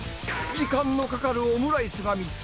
時間のかかるオムライスが３つ。